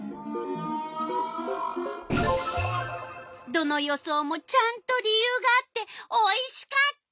どの予想もちゃんと理由があっておいしかった！